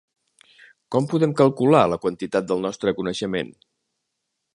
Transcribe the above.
Com podem calcular la quantitat del nostre coneixement?